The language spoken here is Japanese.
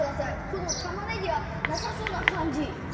この玉ねぎがなさそうな感じ！